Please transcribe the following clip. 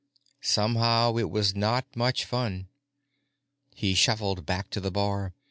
Somehow it was not much fun. He shuffled back to the bar.